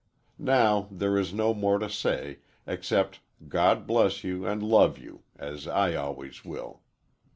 Now, there is no more to say except God bless you and love you, as I always will."